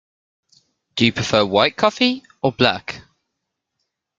Do you prefer white coffee, or black?